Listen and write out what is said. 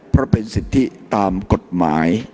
เพราะเป็นสิทธิตามกฎหมาย